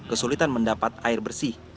kesulitan mendapat air bersih